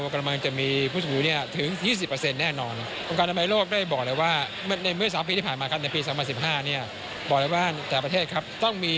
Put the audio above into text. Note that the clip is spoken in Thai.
ข้อแรกเลยคือทำเดี่ยวนี้